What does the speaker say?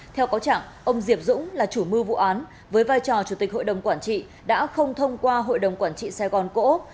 theo cáo chẳng ông diệp dũng là chủ mưu vụ án với vai trò chủ tịch hội đồng quản trị đã không thông qua hội đồng quản trị sài gòn cổ úc